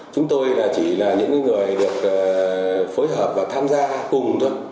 chúng tôi chỉ là những người được phối hợp và tham gia cùng thôi